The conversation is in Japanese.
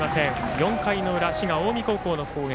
４回の裏、滋賀・近江高校の攻撃。